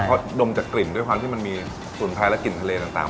เพราะดมจากกลิ่นด้วยความที่มันมีสมุนไพรและกลิ่นทะเลต่าง